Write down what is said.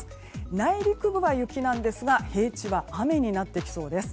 内陸部は雪ですが平地は雨になってきそうです。